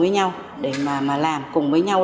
phải cùng với nhau